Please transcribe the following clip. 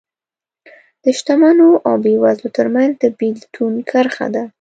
د شتمنو او بېوزلو ترمنځ د بېلتون کرښه ده